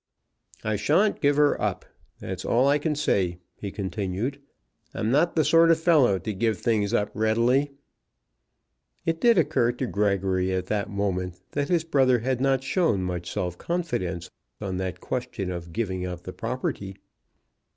"I shan't give her up. That's all I can say," he continued. "I'm not the sort of fellow to give things up readily." It did occur to Gregory at that moment that his brother had not shown much self confidence on that question of giving up the property.